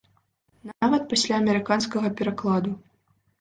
Нават пасля амерыканскага перакладу.